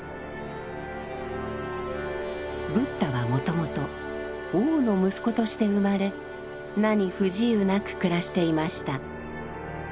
ブッダはもともと王の息子として生まれ何不自由なく暮らしていました。